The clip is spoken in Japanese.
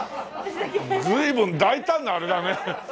随分大胆なあれだねお店だね。